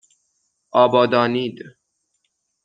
آبادانید